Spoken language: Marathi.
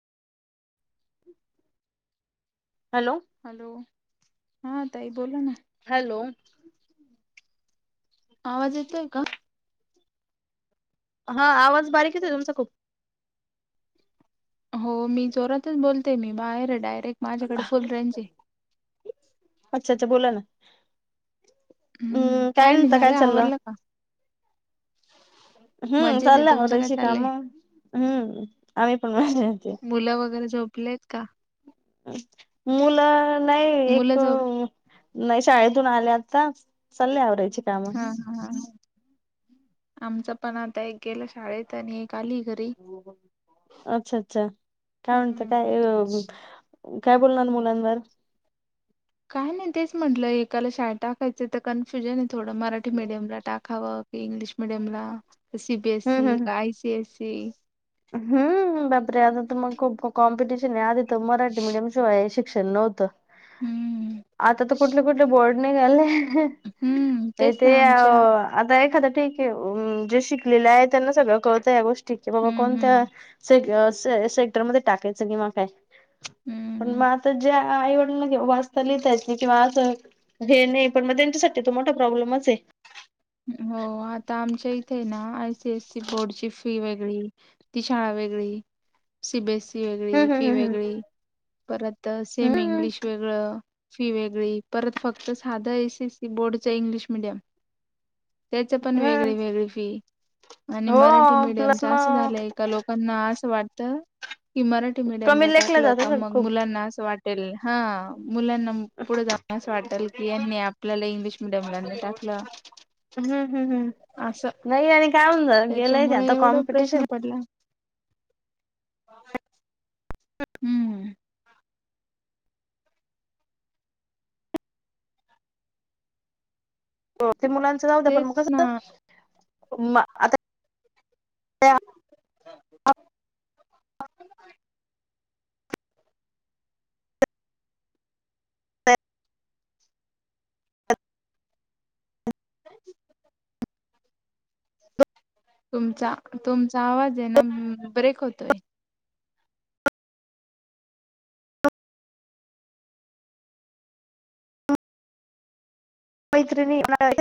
हॅलो हॅलो हा ताई बोला ना हॅलो आवाज येतोय का हा आवाज बारीकच आहे तुमचा खूप हो मी जोरातच बोलते मी बाहेर डायर एक माझ्याकडे फुल रेंज आहे अच्छा अच्छा बोला ना हम्म काय नाही झालं आवरलं का हम्म मजेत आहे चाललं तुमचं काय त्या्याची चाललंय? कामं हम्म आम्ही पण माझली होती मुलं वगैरे झोपलेत का मुलं नाही एक मुलं झोप नाही शाळेत ून आल्या आता सल्लेवर हा ह आमच पण आता एक गेलं शाळेत आणि आली घरी. अच्छा अच्छा काय म्हणत हम्म काय काय बोलणार मुलांवर काय नाही तेच म्हटलं एकाला शाळट टाकायचं तर कन्फ्युजन आहे थोडं मराठी मराठी मीडियम ला टाकावं की इंग्लिश मिीडियमला हम्म सीबीएसई हम्म का आयसीएसई हम्म बापरे आता मग खूप कॉम्पिटिशन आहे आधी त मराठी मिीडियम शो आहे न्हत हम्म आता कुठले कुठले बोर्ड नाहीघाले हम्म ए तेच ते ना अ आमच्या आध ए खात ठीक आहे जे शिकलेले आहे त्यांना सगळं कळतं या गोष्ट ठीक आहे बाबा हम्म हम्म कोणत्याे सेक्टर मध्ये टाकाय सिनेमा काय पण हम्म मग आता ज्या आईवडला वाचता लिहितायच नाही किंवा असं हे नाही पण मग त्यांच्यासाठी तो मोठा प्रॉब्लेमच आहे हो आता आमच्या इ ते ना आय सीएससी बोर्डची फी वेगळी ती शाळा वेगळी सीबीएस वेगळी हम्म फी हम्म वेगळी परत हम्म सेम हम्म इंग्लिश वेगळं फी वेगळी परत फक्त साधं एस एससी बोर्डच इंग्लिश मिीडियम त्याच पण हम्म वेगळी वेगळी फी आणि हो मराठी प्लस मिडीयमच असं मग झालयं का लोकांना असं वाटतं की मराठी कमी मिडीयमला लेखलं टाकलं जात का सग मग खूप मुलांना अस वाटेल हा मुलांना पुढ जाऊन असं वाटल की यांनी आपल्याला इंग्लिश मिडीयमला नाही टाकलं हम्म हम्म हम् असं नाही आणि काय होऊन गेलंय आता कॉम्पिटिशन हं हम हो ते मुलांचं जाऊदे पण मग तेच ना कस मग आता ह इ तुमचा तुमचा आवाज आहे ना ब्रेक होतोय. मैत्रिणी